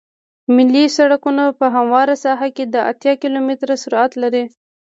ملي سرکونه په همواره ساحه کې د اتیا کیلومتره سرعت لري